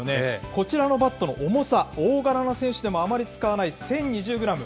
こちらのバットの重さ、大柄な選手でもあまり使わない１０２０グラム。